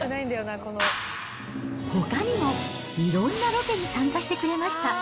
ほかにも、いろんなロケに参加してくれました。